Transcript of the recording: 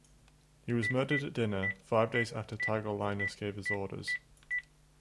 He was murdered at dinner; five days after Tigellinus gave his orders.